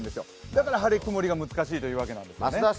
だから晴れ、曇りが難しいということなんですよね。